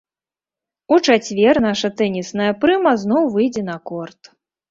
У чацвер наша тэнісная прыма зноў выйдзе на корт.